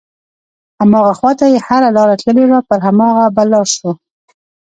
هماغه خواته چې هره لاره تللې وي پر هماغه به لاړ شو.